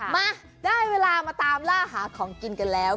มาได้เวลามาตามล่าหาของกินกันแล้ว